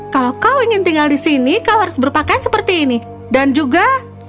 kalau kau ingin tinggal di sini kau harus berpakaian seperti ini dan juga